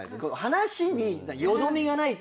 話によどみがないというか。